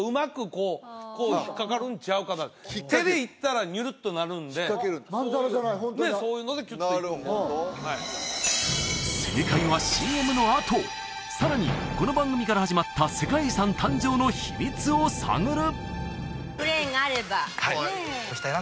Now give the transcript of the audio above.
こうこう引っ掛かるんちゃうかな手でいったらニュルッとなるんでまんざらじゃないホントだそういうのでキュッといく正解はＣＭのあとさらにこの番組から始まった世界遺産誕生の秘密を探る！